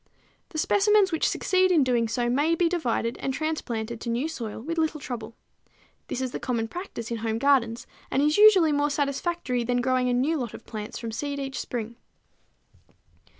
The specimens which succeed in doing so may be divided and transplanted to new soil with little trouble. This is the common practice in home gardens, and is usually more satisfactory than growing a new lot of plants from seed each spring.